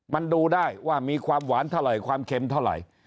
มันดูได้ว่ามีความหวานเท่าไหร่ความเค็มเท่าไหร่